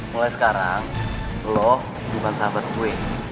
mulai sekarang lo bukan sahabat gue